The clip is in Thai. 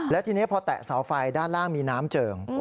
แล้วทีนี้พอแตะเสาไฟด้านล่างมีน้ำเจิง